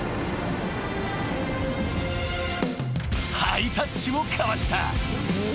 ［ハイタッチをかわした］